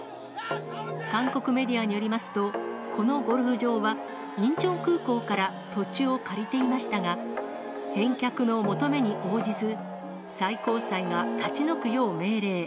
韓国メディアによりますと、このゴルフ場はインチョン空港から土地を借りていましたが、返却の求めに応じず、最高裁が立ち退くよう命令。